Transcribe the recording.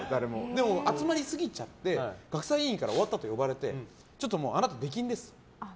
でも、集まりすぎちゃって学祭委員から終わったあと呼ばれちゃってちょっとあなた出禁ですと。